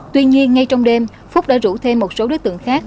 tuy nhiên ngay trong đêm phúc đã rủ thêm một số đối tượng khác